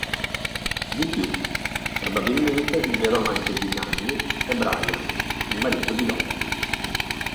Di più: probabilmente il vero amante di Nanny è Brian, il marito di Lottie.